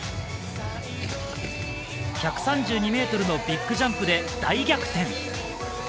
１３２ｍのビッグジャンプで大逆転。